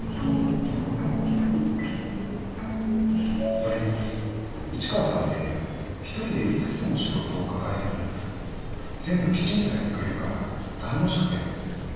それに市川さんって一人でいくつも仕事を抱えても全部きちんとやってくれるから頼もしくて。